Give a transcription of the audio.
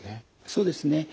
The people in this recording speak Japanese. そうですね。